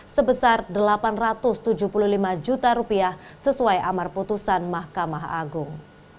sebesar rp delapan ratus tujuh puluh lima juta sesuai amar putusan mahkamah agung